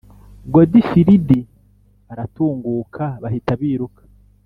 Godifilidi aratunguka bahita biruka